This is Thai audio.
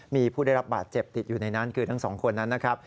มีผู้ได้รับบาดเจ็บติดอยู่ในนั้นคือทั้งสองคนนั้นนะครับ